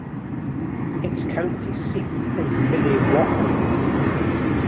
Its county seat is Minnewaukan.